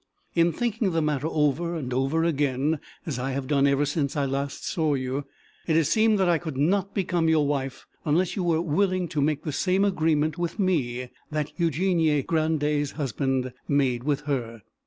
In thinking the matter over and over again as I have done ever since I last saw you it has seemed that I could not become your wife unless you were willing to make the same agreement with me that Eugénie Grandet's husband made with her."